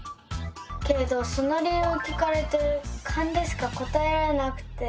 けれどその理由を聞かれてカンでしか答えられなくて。